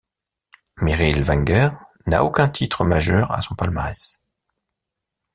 Meryll Wenger n'a aucun titre majeur à son palmarès.